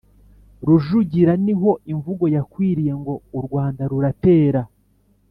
rujugira niho imvugo yakwiriye ngo "u rwanda ruratera